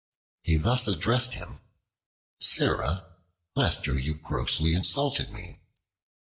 He thus addressed him: "Sirrah, last year you grossly insulted me."